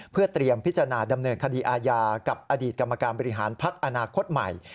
เพื่อเตรียมพิจารณาดำเนินคดีอาญากับอดีตกรรมการบริหารพักอนาคตใหม่